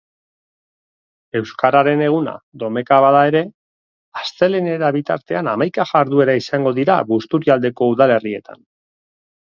Euskararen Eguna domeka bada ere, astelehenera bitartean hamaika jarduera izango dira Busturialdeko udalerrietan.